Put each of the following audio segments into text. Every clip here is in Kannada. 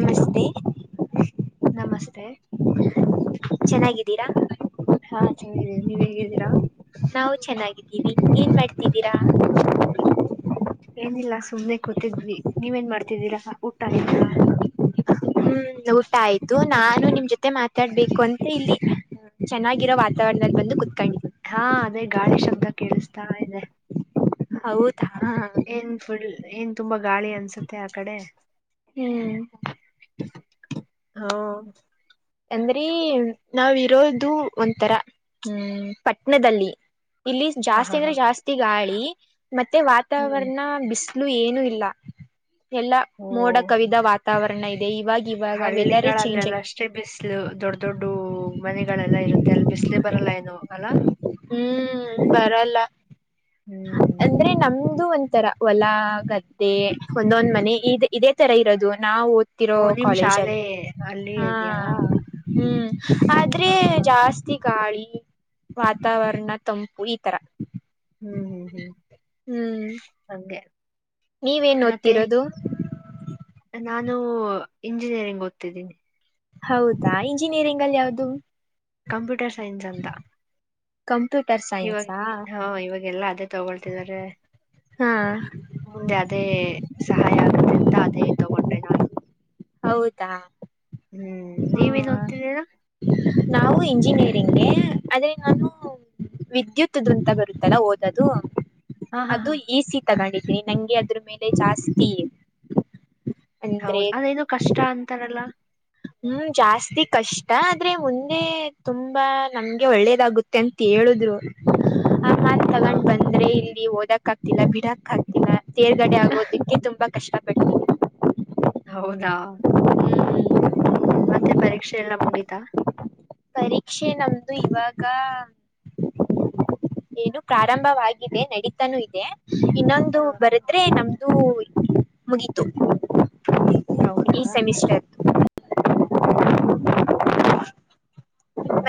ಹಲೋ ನಮಸ್ತೆ ಚೆನ್ನಾಗಿದ್ದೀರಾ ಹಾ ಚೆನ್ನಾಗಿದ್ದೀನಿ ನೀವ್ ಹೇಗಿದ್ದೀರಾ ನಾವು ಚೆನ್ನಾಗಿದ್ದೀವಿ, ಏನ್ ಮಾಡ್ತಿದ್ದೀರಾ. ಏನಿಲ್ಲ ಸುಮ್ನೆ ಕೂತಿದ್ವಿ ನೀವೇನ್ ಮಾಡ್ತಿದ್ದೀರಾ ಊಟ ಆಯ್ತಾ ಹ್ಮ್ ಊಟ ಆಯ್ತು ನಾನು ನಿಮ್ ಜೊತೆ ಮಾತಾಡ್ಬೇಕು ಅಂತ ಇಲ್ಲಿ ಚೆನ್ನಾಗಿರೋ ವಾತಾವರಣದಲ್ಲಿ ಬಂದು ಕುತ್ಕೊಂಳಿ ಹಾ ಅದೇ ಗಾಳಿ ಶಬ್ದ ಕೇಳಿಸ್ತಾ ಇದೆ. ಹೌದಾ ಏನ್ ಫುಲ್ ಏನ್ ತುಂಬಾ ಗಾಳಿ ಅನ್ಸುತ್ತೆ ಆ ಕಡೆ ಹ್ಮ್ ಹಾ ಅಂದ್ರೆ ನಾವಿರೋದು ಒಂಥರ ಹ್ಮ್ ಪಟ್ಟಣದಲ್ಲಿ ಇಲ್ಲಿ ಹಾ ಜಾಸ್ತಿ ಹಾ ಅಂದ್ರೆ ಹಾ ಜಾಸ್ತಿ ಗಾಳಿ ಮತ್ತೆ ಹ್ಮ್ ವಾತಾವರಣ ಬಿಸಿ ಏನು ಇಲ್ಲ ಎಲ್ಲಾ ಓ ಮೋಡ ಕವಿದ ವಾತ ವಾತಾವರಣ ಇದೆ ಇವಾಗವಾಗ ವೆದರೇ ಚೇಂಜ್ ಆಗಿ ಅಷ್ಟೆ ಬಿಸ್ಲು ದೊಡ್ ದೊಡ್ಡ ಮನೆಗಳೆಲ್ಲಾ ಇರುತ್ತೆ ಅಲ್ಲಿ ಬಿಸ್ಲೆ ಬರಲ್ಲ ಏನು ಅಲ್ಲಾ, ಹ್ಮ್ ಬರಲ್ಲ ಹ್ಮ್ ಅಂದ್ರೆ ನಮ್ದು ಒಂಥರಾ ಹೊಲ ಗದ್ದೆ ಒಂದೊಂದ್ ಮನೆ ಇ ಇದೇ ತರಾ ಇರೋದು ನಾವು ಇರೋ ಓ ನಿಮ್ ಕಾಲೇಜ ಶಾಲೆ ಅಲ್ಲಿ ಅಲ್ಲಿ ಹಾ ಇದ್ಯಾ ಹ್ಮ ಆದ್ರೆ ಹ ಹ ಹ ಜಾಸ್ತಿ ಗಾಳಿ ವಾತಾವರಣ ತಂಪು ಈ ತರಾ ಹ್ಮ್ ಹ್ಮ್ ಹ್ಮ್ ಹ್ಮ್ ಹಂಗೆ ನೀವೇನ್ ಮತ್ತೆ ಓದ್ತಿರೋದು ನಾನು ಇಂಜಿನಿಯರಿಂಗ್ ಓದ್ತಿದ್ದೀನಿ ಹೌದಾ ಇಂಜಿನಿಯರಿಂಗ್ ಅಲ್ಲಿ ಯಾವ್ದು ಕಂಪ್ಯೂಟರ್ ಸೈನ್ಸ್ ಅಂತ ಕಂಪ್ಯೂಟರ್ ಇವಾಗ ಸೈನ್ಸಾ ಹಾ ಇವಾಗೆಲ್ಲಾ ಅದೇ ತಗೊಳ್ತಿದಿದ್ದಾರೆ. ಹಾ [inaudible] ಮುಂದೆ ಅದೇ ಸಹಾಯ ಆಗುತ್ತೆ ಅಂತ ಅದೇ ತಗೊಂಡೆ ನಾನು. ಹೌದಾ? ಹ್ಮ್ ಹ ನೀವೇನ್ ಹೋಗ್ತಿದ್ದೀರಾ. ನಾವು ಇಂಜಿನಿಯರಿಂಗ್ಗೆ ಆದೆ ನಾನು. ವಿದ್ಯುತ್್ದಂತ ಬರುತ್ತಲ್ಲ ಓದದು. ಹಾ ಹಾ ಅದು ಹಾ ಈಸಿ ತಗೊಂಡಿದ್ದೀನಿ ನಂಗೆ ಅದ್ರ ಮೇಲೆ ಜಾಸ್ತಿ... ಅಂದ್ರೆ ಹೌದ ಅದೇನುೋ ಕಷ್ಟ ಅಂತಾರಲ್ಲ. ಹ್ಮ್ ಜಾಸ್ತಿ ಕಷ್ಟ ಆದ್ರೆ ಮುಂದೆ ತುಂಬಾ ನಮ್ಗೆ ಒಳ್ಳೇದಾಗುತ್ತೆ. ಂತ ಹೇಳುದ್ರು... ಹಾ ತಗೊಂಡ್ ಹಾ ಬಂದ್ರೆ ಇಲ್ಲಿ ಓದಕ್ ಆಗ್ತಿಲ್ಲ ಬಿಡಕ್ ಆಗ್ತಿಲ್ಲ ಸೇರ್ಗಡೆ ಆಗೋದಕ್ಕೆ ತುಂಬಾ... ಕಷಾ... ಹೌದಾ ಹ್ಮ್ ಹ್ಮ್ ಮತ್ತೆ ಪರೀಕ್ಷೆ ಎಲ್ಲ ಮುಗಿತಾ ಪರೀಕ್ಷೆ ನಮ್ದು ಇವಾಗ ಏನು ಪ್ರಾರಂಭವಾಗಿದೆ ನಡೀತಾನೂ ಇದೆ ಇನ್ನೊಂದು ಹಾ ಬರದ್ರೆ ನಮ್ದು ಮುಗಿತು ಈ ಸೆಮಿಸ್ಟರ್. ಹ್ಮ್್ಮ [inaudible]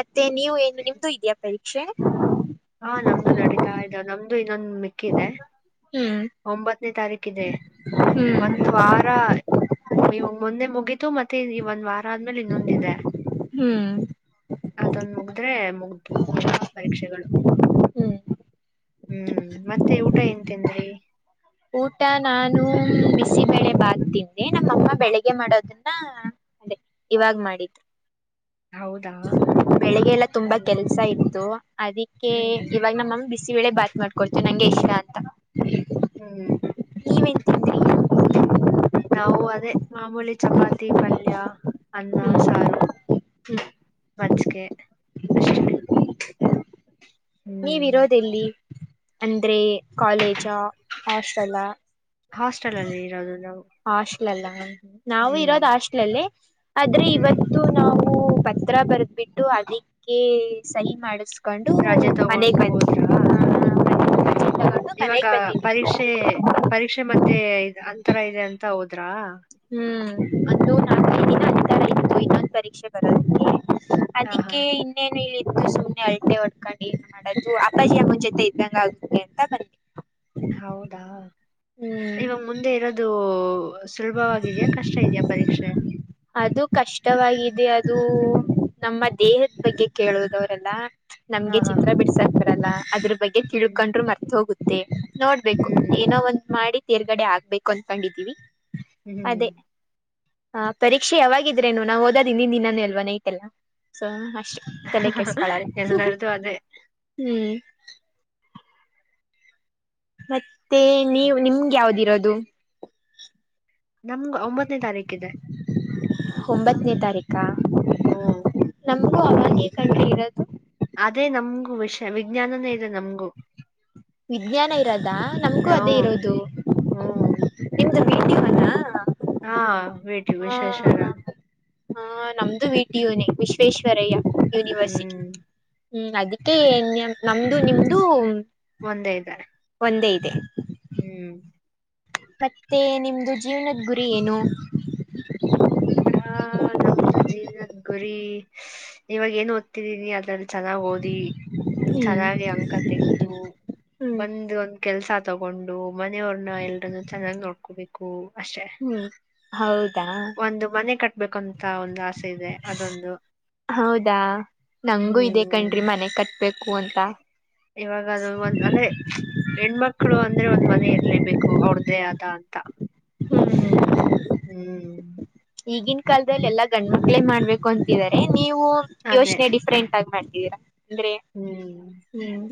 ಮತ್ತೆ ನೀವು ಏನು ನಿಮ್ದು ಇದೆಯಾ ಪರೀಕ್ಷೆ. ಹಾ ನಮ್ದು ನಡೀತಾ ಇದ ನಮ್ದು ಇನ್ನೊಂದು ಮೆಕ್ಕ ಇದೆ ಹ್ಮ್ ಒಂಬತ್ತನೇ ತಾರೀಕು. ಹ್ಮ್ ಒಂದು ವಾರ ಮೊನ್ನೆ ಮುಗಿತು ಮತ್ತೆ ಒಂದ್ ವಾರ. ಆದ್ಮೇಲೆ ಇನ್ನೊಂದಿದೆ. ಹ್ಮ್ [inaudible] ಅದೊಂದು ಮುಗ್ದ್ರೆ ಮುಗ್ದವು ಎಲ್ಲಾ ಪರೀಕ್ಷೆಗಳು... ಹ್ಮ್ ಹ್ಮ್ ಮತ್ತೆ ಊಟ ಎನ್ಂತೇನ್್ರೀ... ಊಟ ನಾನು ಬಿಸಿ ಬೆಳೆ ಬಾಗ್ದಿಂದೆ ನಮ್ಮಅಮ್ಮ ಬೆಳಿಗ್ ಮಾಡೋದನ್ನ... ಅದೇ ಇವಾಗ್ ಮಾಡಿದು. ಹೌದಾ ಬೆಳಿಗ್ಗೆ ಎಲ್ಲ ತುಂಬಾ ಹ್ಮ್ ಕೆಲ್ಸ ಇತ್ತು. ಅದಕ್ಕೆ ಹ್ಮ್ ಇವಾಗ ನಮ್ಮಮ್ಮ ಬಿಸಿ ವೇಳೆ ಬಾತ್ ಮಾಡ್ಕೊಡ್ತವಿ ನಂಗೆ ಇಷ್ಟ ಅಂತ. ಹ್ಮ್ ಹ್ಮ್ [inaudible] ನೀವೇನ್ ತಿಂದ್ರಿ ನಾವು ಅದೇ ಮಾಮೂಲಿ ಚಪಾತಿ ಪಲ್ಯ ಅನ್ನ ಹ್ಮ್ ಸಾರು... ಹ್ಮ್ ಮಜ್ಜಿಕೆ ಅಷ್ಟೇ. ನೀವಿರೋದೆಲ್ಲಿ. ಅಂದ್ರೆ ಕಾಲೇಜ ಹಾಸ್ಟೆಲ್. ಹಾಸ್ಟೆಲ್ ಅಲ್ಲಿ ಇರೋದು ನಾವು. ಹಾಸ್ಟ್ಲ್ ಅಲ್ಲ ನಾವು ಹ್ಮ್ ಇರೋದ ಹಾಸ್ಟ್ಲ ಅಲ್ಲಿೇ ಆದ್ರೆ ಹ್ಮ್ ಇವತ್ತು. ಇದು ನಾವು ಪತ್ರ ಬರೆದ್ ಬಿಿಟ್ಟು ಅದಕ್ಕೆ ಸಹಿ ಮಾಡ. ಹಕೊಂಡು ರಜೆ ಮನೆಗ್ ತಗೊಂಡು ಬಂತು. ಹೋದ್ರಾ ತಗೊಂಡು ಇವಾಗ ಮನೆಗೆ ಬಂದೀನಿ. ಪರೀಕ್ಷೆ ಪರೀಕ್ಷೆ ಮಧ್ಯೆ ಅಂತರ ಇದೆ ಅಂತ ಹೋದ್ರಾ... ಹ್ಮ್ ಅದು. [unintelligible] ಇತರ ಇತ್ತು ಇನ್ನೊಂದು ಪರೀಕ್ಷೆ ಬರೋದಕ್ಕೆ ಹಾ ಹಾ ಅದಿಕ್ಕೆ. ಇನ್ನೇನು ಇಲ್ಲಿದ್ದು ಸುಮ್ನೆ ಅಲ್ಟೆ ಹೊಡ್ಕೊಂಡು ಎನ್ ಮಾಡದು ಅಪ್ಪಾಜಿ ಅಮ್ಮನ ಜೊತೆ ಇದ್ದಂಗ ಆಗುತ್ತೆ ಅಂತ ಬರ್ ಹೌದಾ ಹ್ಮ್ ಇವಾಗ ಮುಂದೆ ಇರೋದು. ಸುಲಭವಾಗಿದ್ಯ ಕಷ್ಟ ಇದ್ಯ ಪರೀಕ್ಷೆ. ಅದು ಕಷ್ಟವಾಗಿದೆ ಅದು ನಮ್ಮ ದೇಹದ ಬಗ್ಗೆ ಕೇಳುದವರೆಲ್ಲ. ಹಾ ನಮ್ಗೆ ಹಾ ಚಿತ್ರ ಹಾ ಬಿಡ್ಸಕ್ ಬರಲ್ಲ ಅದ್ರು ಬಗ್ಗೆ ಹ್ಮ್ ತಿಳ್ಕೊಂಡ್ರು ಮರ್ತ ಹೋಗುತ್. ತ್ತೇ ನೋಡ್ಬೇಕು ಹ್ಮ್ ಏನೋ ಒಂದ್ ಮಾಡಿ ತೇರ್ಗಡೆ ಆಗ್ಬೇಕು ಅನ್ಕೊಂಡಿದ್ದೀವಿ. ಹ್ಮ್ ಅದೇ... ಹ ಪರೀಕ್ಷೆ ಯಾವಾಗಿದ್ರೇನು ನಾವ್ ಓದಾದ್ ಇದಿಂನ್ ದಿನನೆ ಅಲ್ವ ನೈಟೆಲ್ಲ ಸೊ ಅಷ್ಟೇ. ತಲೆ ಕೆಡ್ಸ್ಕೊಳಲ್ಲ ಹಾ ಹಾ ಎಲ್ಲಾರ್ದು ಅದೇ ಹು. ಮತ್ತೆ ನೀವ್ ನಿಮ್ಗೆ ಯಾವ್ದಿರೋದು. ನಮ್ಗ ಒಂಬತ್ತನೇ ತಾರೀಕ್ ಇದೆ. ಒಂಬತ್ತನೇ ತಾರೀಕ. ಹ್ಮ ನಮಗೂ ಅವಾಗೇ ಕಂಡ್ರಿ ಇರದು. ಅದೇ ನಮ್ಗೂ ವಿಷ್ಯ ವಿಜ್ಞಾನನೇ ಇದೆ ನಮ್ಗು. ವಿಜ್ಞಾನ ಇರೋದ ಹ ನಮ್ಗೂ ಅದೇ ಇರೋದು ಹ್ಮ್ ನಿಮ್ದ ಬಿಟಿ ಮನ. ಹಾ ಬಿಟಿ ವಿಶ್ವೇಷರ ಆ ನಮ್ದು ವೀಟ ಯೂನೇ ವಿಶ್ವೇಶ್ವರಯ್ಯ ಯೂನಿವೇರ್ಸಿಟಿ. ಹ್ಮ್ ಹ್ಮ್ ಅದಿಕ್ಕೆ ನಮ್ದು ನಿಮ್ದು. ಒಂದೇ ಇದೆ. ಒಂದೇ ಇದೆ. ಹ್ಮ್ ಮತ್ತೆ ನಿಮ್ದು ಜೀವ್ನುದ್ ಗುರಿ ಏನು. ಹಾ ನಮ್ದು ಜೀವ್ನುದ್ ಗುರಿ ಇವಾಗ ಏನು ಓದ್ತಿದೀನಿ ಅದ್ರಲ್ - ಚೆನ್ನಾಗ್ ಓದಿ ಹ್ಮ್ ಚೆನ್ನಾಗಿ ಅಂಕ ತೆಗ್ದು. ಹ್ಮ್ ಒಂದ ಒಂದ್ ಕೆಲ್ಸ ತಗೊಂಡು ಮನೆಯವ್ರನ್ನ ಎಲ್ರನ್ನು ಚೆನ್ನಾಗ್ ನೋಡ್ಕೋಬೇಕು ಅಷ್ಟೆ. ಹ್ಮ್ ಹೌದಾ ಒಂದು ಮನೆ ಕಟ್ಬೇಕುಂತ ಒಂದು ಆಸೆ ಇದೆ ಅದೊಂದು. ಹೌದಾ ನಂಗು ಇದೆ ಹ್ಮ್ ಕಣ್ರಿ ಮನೆ ಕಟ್ಬೇಕು ಅಂತ. ಇವಾಗ ಅದು ಒಂದ್ ಅಂದ್ರೆ ಹೆಣ್ಮಕ್ಳು ಅಂದ್ರೆ ಒಂದ್ ಮನೆ ಇರ್ಲೇಬೇಕು ಅವ್ರದ್ದೇ ಆದ ಅಂತ. ಹ್ಮ್ ಈಗಿನ್ ಕಾಲ್ದಲ್ಲಿ ಎಲ್ಲಾ ಗಂಡ್ಮಕ್ಳೇ ಮಾಡ್ಬೇಕು ಅಂತಿದಿದ್ದಾರೆ ನೀವು. ಅದೇ ಯೋಚ್ನೆ ಡಿಫ್ರಂಟ್ ಆಗಿ ಮಾಡ್ತಿದ್ದೀರಾ ಅಂದ್ರೆ ಹ್ಮ್ ಹ್ಮ್.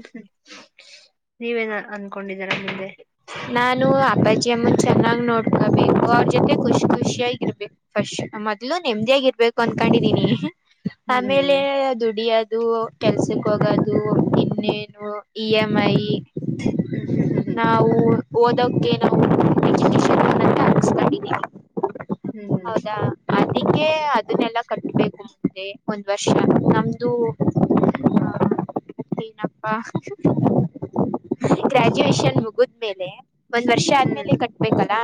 ನೀವೇನ್ ಅನ್ಕೊಂಡಿದ್ದೀರಾ ಮುಂದೆ. ನಾನು ಅಪಾಜಿ ಅಮ್ಮನ್ ಚೆನ್ನಾಗ್ ನೋಡ್ಕೋಬೇಕು ಅವ್ರ ಜೊತೆ ಖುಷ್ ಖುಷಿಯಾಗಿರ್ಬೇಕು. ಫಸ್ಟ್ ಮೊದ್ಲು ನೆಮ್ಮದಿಯಾಗಿ ಇರ್ಬೇಕು ಅನ್ಕೊಂಡಿದೀನಿ. ಆಮೇಲೆ ಹ್ಮ್ ದುಡ್ಯದು. ಕೆಲ್ಸಕ್ ಹೋಗೋದು ಇನ್ನೇನು ಇ ಎಮ್ ಐ. ಹ್ಮ್ ಹ್ಮ ಹ್ಮ ಹ್ಮ ಅವು ಓದೋಕ್ಕೆ ನಾವು [unintelligible] ಹ್ಮ್ ಹೌದಾ ಅದಕ್ಕೆ ಅದನ್ನೆಲ್ಲಾ ಕಟ್ಬೇಕು ಮುಂದೆ ಒಂದ್ ವರ್ಷ ನಮ್ದು ಹಏನಪ್ಪ ಗ್ರಾಜುಯಷನ್ ಮು ಕದ್ಮೇಲೆ ಒಂದ್ ವರ್ಷ ಹ್ಮ್ ಆದ್ಮೇಲೆ ಕಟ್ಬೇಕಲ್ಲ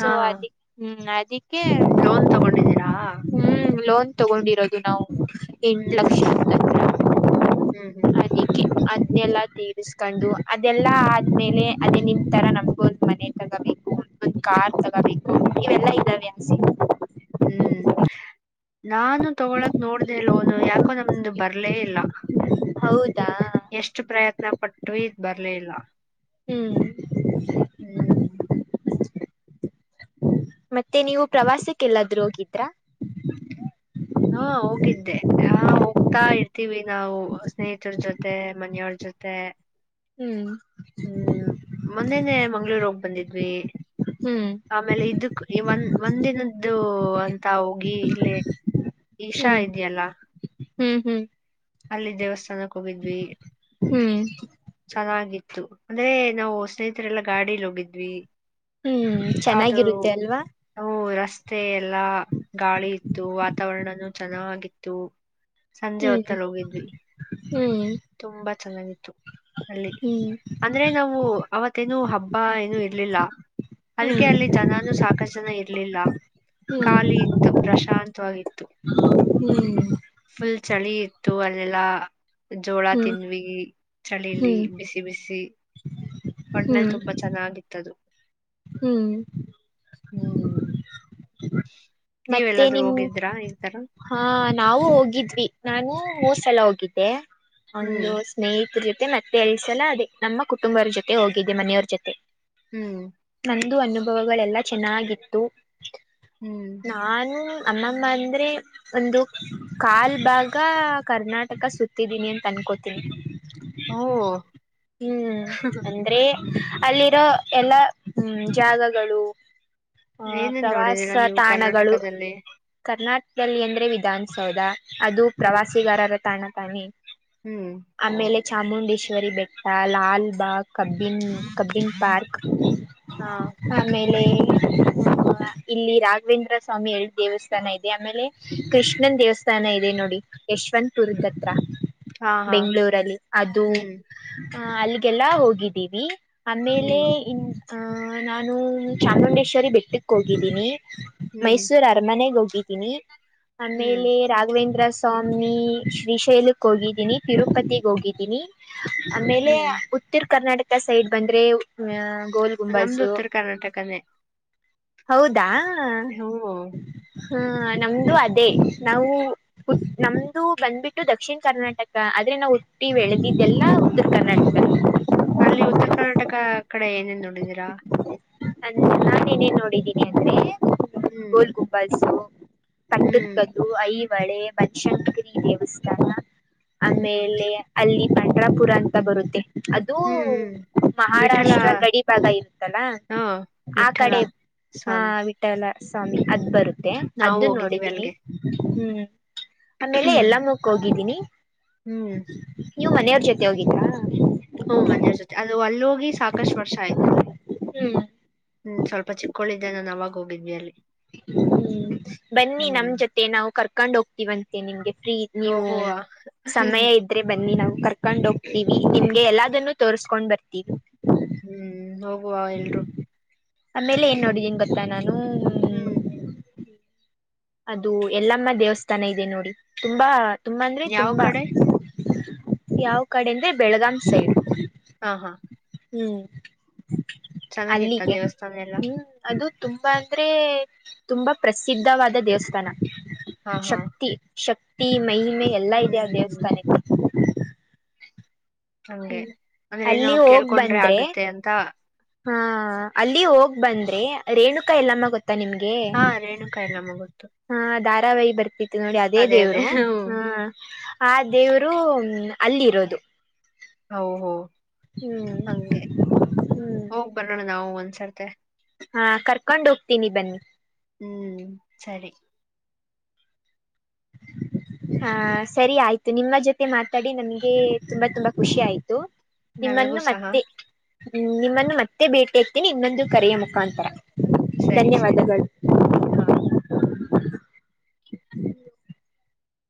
ಸೊ ಹಾ ಅದಿ ಹ್ಮ್ ಅದಿ ಲೋನ್ ತಗೊಂಡಿದ್ದೀರಾ ಹ್ಮ ಲೋನ್ ತಗೊಂಡಿರೋದು ನಾವು ಎಂಟು ಲಕ್ಷ ಹ್ಮ್ ಲಕ್ಷ ಹ್ಮ್ ಹ್ಮ್ ಹ್ಮ್ ಅದೆಲ್ಲ ತೀರಿಸಕೊಂಡು ಅದೆಲ್ಲಾ ್ಮೇಲೆ ಅದೇ ನಿ ತರ ನಮ್ಗೊ್ ಮನೆ ತಗೋಬೇಕು ಕಾರ್ ತಗೋಬೇಕು ಇವೆಲ್ಲಾ ಇದಾವೆ ಅನ್ಸಿ ಹ್ಮ್ ನಾನು ತಗೊಳಕ್ ನೋಡ್ದ ಲೋನು ಯಾಕೋ ನಮ್ದು ಬರ್ಲೇ ಇಲ್ಲ ಹೌದಾ ಎಷ್ಟು ಪ್ರಯತ್ನ ಪಟ್ಟು ಇದ್ ಬರ್ಲಿಲ್ಲ ಹ್ಮ್ ಹ್ಮ್ ಮತ್ತೆ ನೀವು ಪ್ರವಾಸಕ್ಕೆಲ್ಲಾದ್ರೂ ಹೋಗಿದ್ರಾ ಹಾ ಹೋಗಿದ್ದೆ ಹ ಹೋಗ್ತಾ ಇರ್ತೀವಿ ನಾವು ಸ್ನೇಹಿತರ ಜೊತೆ ಮನೆಯವ್ರ ಜೊತೆ ಹ್ಮ್ ಹ್ಮ್ ಮೊನ್ನೆನೆ ಮಂಗ್ಗಳೂರ್ ಹೋಗಿ ಬಂದಿದ್ವಿ ಹ್ಮ್ ಆಮೇಲೆ ಇದಕ್ ಒಂದ್ ಒಂದಿನದ್ದು ಅಂತ ಹೋಗಿ ಇಲ್ಲಿ ಈಷಾ ಹ್ಮ್ ಇದೆಯಲ್ಲಾ ಹ್ಮ್ ಹ್ಮ್ ಅಲ್ಲಿ ದೇವಸ್ಥಾನಕ್ ಹೋಗಿದ್ವಿ ಹ್ಮ್ ಚೆನ್ನಾಗಿತ್ತು ಅಂದ್ರೆ ನಾವು ಸ್ನೇಹಿತರೆಲ್ಲಾ ಗಾಡಿಲಿ ಹೋಗಿದ್ವಿ ಹ್ಮ್ ಅದು ಚೆನ್ನಾಗಿರುತ್ತೆ ಅಲ್ವಾ ರಸ್ತೆ ಎಲ್ಲಾ ಗಾಳಿ ಇತ್ತು ವಾತಾವರಣನುೂ ಚೆನ್ನಾಗಿತ್ತು ಸಂಜೆ ಹ್ಮ್ ಹೊತ್ತಲ್ ಹೋಗಿದ್ವಿ ಹ್ಮ್ ತುಂಬಾ ಚೆನ್ನಾಗಿತ್ತು ಅಲ್ಲಿ ಹ್ಮ್ ಅಂದ್ರೆ ನಾವು ಅವತ್ೇನು ಹಬ್ಬ ಏನು ಇರ್ಲಿಲ್ಲ ಅದಕ್ಕೆ ಹ್ಮ್ ಅಲ್ಲಿ ಜನಾನು ಸಾಕಷ್ಟು ಜನ ಇರ್ಲಿಲ್ಲ ಖಾಲಿ ಇತ್ತು ಪ್ರಶಾಂತವಾಗಿತ್ತು ಹ ಹ್ಮ್ ಫುಲ್ ಚಳಿ ಇತ್ತು ಅಲ್ಲೆಲ್ಲಾ ಜೋಳ ತಿನ್್ವಿ ಹ್ಮ್ ಚಳಿಲಿ ಹ್ಮ್ ಬಿಸಿ ಬಿಸಿ ಒಣನಲ್ಲಿ ಹ್ಮ್ ತುಂಬಾ ಚೆನ್ನಾಗಿತ್ತದು ಹ್ಮ್ ಹ್ಮ್ ನೀವ್ ಮತ್ತೆ ಎಲ್ಲಾದ್ೂ ನಿಮ್ ಹೋಗಿದ್ರ ಈ ತರ ಹಾ ನಾವು ಹೋಗಿದ್ವಿ ನಾನು ಮೂರು ಸಲ ಹೋಗಿದ್ದೆ ಹ್ಮ್ ಒಂದು ಸ್ನೇಹಿತರ ಜೊತೆ ಮತ್ತೆ ಎಲ್ಲಿಸಲ್ಲ ಅದೇ ನಮ್ಮ ಕುಟುಂಬರ ಜೊತೆ ಹೋಗಿದ್ದೆ ಮನೆಯವರ ಜೊತೆ ಹ್ಮ್ ನಂದು ಅನುಭವಗಳೆಲ್ಲ ಚೆನ್ನಾಗಿತ್ತು ಹ್ಮ್ ನಾನು ಅಮ್ಮಮ್ಮಂದರಿ ಒಂದು ಕಾಲ್ ಭಾಗ ಕರ್ನಾಟಕ ಸುತ್ತಿದ್ದೀನಿ ಅಂತ ಅನ್ಕೋತೀನಿ ಓ ಹ್ಮ್ ಅಂದ್ರೆ ಅಲ್ಲಿರೋ ಎಲ್ಲ ಹ್ಮ್ ಜಾಗಗಳು ಆ ಏನೇನ್ ನೋಡಿದೀರಾ ಪ್ರವಾಸ ನೀವು ತಾಣಗಳು ಕರ್ನಾಟಕದಲ್ಲಿ ಕರ್ನಾಟಕದಲ್ಲಿ ಅಂದ್ರೆ ವಿಧಾನಸೌಧ ಅದು ಹ್ಮ್ ಪ್ರವಾಸಿಗಾರರ ತಾಣ ತಾನೇ ಹ್ಮ್ ಆಮೇಲೆ ಚಾಮುಂಡೇಶ್ವರಿ ಬೆಟ್ಟ ಲಾಲ್ ಬಾಗ್ ಕಬ್ಬಿನ್ ಕಬ್ಬಿನ್ ಪಾರ್ಕ್ ಹಾ ಆಮೇಲೆ ಅ ಇಲ್ಲಿ ರಾಘವೇಂದ್ರ ಸ್ವಾಮಿ ಎರಡು ದೇವಸ್ಥಾನ ಇದೆ ಆಮೇಲೆ ಕೃಷ್ಣನ್ ದೇವಸ್ಥಾನ ಇದೆ ನೋಡಿ ಯಶವಂತಪುರದ ಹತ್ರ ಹಾ ಹಾ ಬೆಂಗಗಳೂರಲ್ಲಿ ಅದು ಹ್ಮ್ ಹ ಅಲ್ಲಿಗೆಲ್ಲಾ ಹೋಗಿದ್ದೀವಿ ಆಮೇಲೆ ಹ್ಮ್ ಇನ್ ಆ ನಾನು ಚಾಮುಂಡೇಶ್ವರಿ ಬೆಟ್ಟಕ್ಕೆ ಹೋಗಿದ್ದೀನಿ ಹ್ಮ್ ಮೈಸೂರ ಅರ ಮನೆಗೆ ಹೋಗಿದ್ದೀನಿ ಹ್ಮ್ ಆಮೇಲೆ ರಾಘವೇಂದ್ರ ಸ್ವಾಮಿ ಶ್ರೀಶೈಲಕ್ ಹೋಗಿದ್ದೀನಿ ತಿರುಪತಿಗ್ ಹೋಗಿದ್ದೀನಿ ಆಮೇಲೆ ಹ್ಮ್ ಉತ್ತರ ಕರ್ನಾಟಕ ಸೈಡ್ ಬಂದ್ರೆ ಗೋಲ್ ನಮ್ದು ಗುಂಬಾಜು ಉತ್ತರ ಕರ್ನಾಟಕನೇ ಹೌದಾ ಹ್ಮ ಹ ನಮ್ದು ಅದೇ ನಾವು ನಮ್ದು ಬಂದ್ಬಿಟ್ಟು ದಕ್ಷಿಣ ಕರ್ನಾಟಕ ಆದ್ರೆ ನಾ ಉುಟ್ಟಿ ಬೆಳದಿ ಇದೆಲ್ಲಾ ಉತ್ತರ ಕರ್ನಾಟಕ ಅಲ್ಲಿ ಉತ್ತರ ಕರ್ನಾಟಕ ಕಡೆ ಏನೇನ್ ನೋಡಿದೀರಾ ಅೆ ನಾ ನೇನ್ ನೋಡಿದ್ದೀನಿ ಅಂದ್ರೆ ಹ್ಮ್ ಗುಬ್ಬಸು ಕಟ್ಟ ಹ್ಮ್ ಕ್ದ ಐದು ಬಳೆ ಬನಶಂಕರಿ ದೇವಸ್ಥಾನ ಹ್ಮ್ ಆಮೇಲೆ ಅಲ್ಲಿ ಪಾಂಡ್ರಾಪುರ ಅಂತ ಬರುತ್ತೆ ಅದುೂ ಹ್ಮ್ ಹ್ಮ್ ವಿಠಲ ಮಹಾರಾಷ್ಟ್ರ ಗಡಿ ಭಾಗ ಇರುತ್ತಲ್ಲಾ ಹಾ ಆ ವಿಠಲ ಕಡೆ ಹ ಸ್ವಾಮಿ ವಿಠಲ ಸ್ವಾಮಿ ಅದ್ ಬರುತ್ತೆ ನಾವು ಅದ ಹೋಗಿದ್ದೀವಿ ನೋಡಿದೀನಿ ಅಲ್ಲಿಗೆ ಹ್ಮ್ ಆಮೇಲೆ ಎಲ್ಲ ಮುಕ್ ಹೋಗಿದ್ದೀನಿ ಹ್ಮ್ ನೀವು್ ಮನೆಯವ್ರ ಜೊತೆ ಹೋಗಿದ್ದಾ ಮನೆಯವರ ಜೊತೆ ಅದು ಅಲ್ಲೋಗಿ ಸಾಕಷ್ಟು ವರ್ಷ ಆಯ್ತು ಹ್ಮ್ ಹ್ಮ ಸ್ವಲ್ಪ ಚಿಕ್ಕಳಿದ್ದೆ ನಾನು ಅವವಾಗ ಹೋಗಿದಿ ಅಲ್ಲಿ ಹ್ಮ್ ಬನ್ನಿ ನಮ ಹ್ಮ್ ಜೊತೆ ನಾವು ಕರ್ಕೊಂಡ್ ಹೋಗ್ತೀವಂತೆ ನಿಮಗೆ ಫ್ರೀ ನೀವು ಹೋಗುವ ಸಮಯ ಇದ್ರೆ ಬನ್ನಿ ನಾವು ಕರ್ಕೊಂಡ್ ಹೋಗ್ತೀವಿ ನಿಮ್ಗೆ ಎಲ್ಲದನ್ನುೂ ತೋರ್ಸ್ಕೊಂಡ್ ಬರ್ತೀವಿ ಹ್ಮ್ ಹೋಗುವ ಎಲ್ರು ಆಮೇಲೆ ಏನ್ ನೋಡಿದೀನ್ ಗೊತ್ತಾ ನಾನು ಹ್ಮ್ ಅದು ಎಲ್ಲಮ್ಮ ದೇವಸ್ಥಾನ ಇದೆ ನೋಡಿ ತುಂಬಾ ತುಂಬಾ ಅಂದ್ರೆ ಯಾವ ತುಂಬಾ ಕಡೆ ಯಾವ ಕಡೆ ಅಂದ್ರೆ ಬೆಳಗಾಂ ಸೈಡ್ ಹಾ ಹಾ ಹ್ಮ್ ಚೆನ್ನಾಗಿತ್ತ ಅಲ್ಲಿಗೆ ದೇವಸ್ಥಾನ ಎಲ್ಲ ಹ್ಮ್ ಅದು ತುಂಬಾ ಅಂದ್ರೆ ತುಂಬಾ ಪ್ರಸಿದ್ಧವಾದ ದೇವಸ್ಥಾನ ಹಾ ಹಾ ಶಕ್ತಿ ಶಕ್ತಿ ಮಹಿಮೆ ಎಲ್ಲಾ ಹ್ಮ್ ಇದೆ ಆ ಹ್ಮ್ ಹ್ಮ್ ದೇವಸ್ಥಾನಕ್ಕೆ ಹಗೆ ಹ್ಮ್ ಅಂದ್ರೆ ಏ ಅಲ್ಲಿ ನಾವ ಕೇಳ್ಕೊಂಡ್ರೆ ಆಗತ್ತೆ ಅಂತ ಹ ಅಲ್ಲಿ ಹೋಗ್ ಬಂದ್ರೆ ರೇಣುಕಾ ಎಲ್ಲಮ್ಮ ಗೊತ್ತ ಗತ್ತ ನಿಮ್ಗೆ ಹಾ ರೇಣುಕಾ ಎಲ್ಲಮ್ಮ ಗೊತ್ತು ಹಾ ಧಾರಾವಾಹಿ ಬರ್ತಿತಿ ನೋಡಿ ಅದೇ ದೇವ್ರು ಹ್ಮ ಆ ದೇವರು ಅಲ್ಲಿ ಇರೋದು ಹ ಹೋ ಹ್ಮ್ ಹಗೆ ಹ್ಮ್ ಹೋಗೋಗ್ ಬರೋಣ ನಾವು ಒಂದ್ಸರ್ತೆ ಹಾ ಕರ್ಕೊಂಡ್ ಹೋಗ್ತೀನಿ ಬನ್ನಿ ಹ್ಮ್ ಸರಿ ಹಾ ಸರಿ ಆಯ್ತು ನಿಮ್ಮ ಜೊತೆ ಮಾತಾಡಿ ನಮ್ಗೆ ತುಂಬಾ ತುಂಬಾ ಖುಷಿ ಆಯ್ತು ನನಗೂ ನಿಮ್ಮನ್ನು ಸಹ ಮತ್ತೆ ಹ್ಮ್ ನಿಮ್ಮನ್ನು ಮತ್ತೆ ಭೇಟಿ ಹತೇನಿ ಇನ್ನೊಂದು ಕರೆಯ ಮುಖಾಂತರ ಸರಿ ಸರಿ ಧನ್ಯವಾದಗಳು ಹಾ.